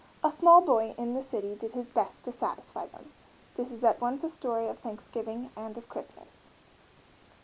A small boy in the city did his best to satisfy them. This is at once a story of Thanksgiving and of Christmas.